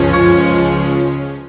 terima kasih pak